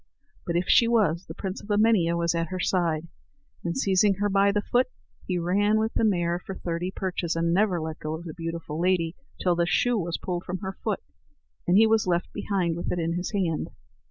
But if she was, the prince of Emania was at her side, and, seizing her by the foot, he ran with the mare for thirty perches, and never let go of the beautiful lady till the shoe was pulled from her foot, and he was left behind with it in his hand.